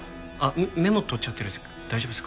メモ取っちゃってるんですけど大丈夫ですか？